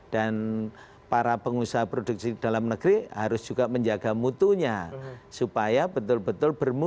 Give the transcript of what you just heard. dan para pengusaha produksi dalam negeri harus juga menjaga mutunya supaya betul betul bermutu